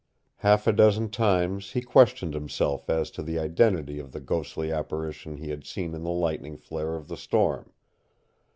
Half a dozen times he questioned himself as to the identity of the ghostly apparition he had seen in the lightning flare of the storm.